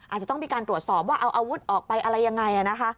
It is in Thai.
อาจจะต้องมีการตรวจสอบว่าเอาอาวุธออกไปอะไรยังไงนะคะ